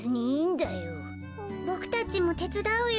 ボクたちもてつだうよ。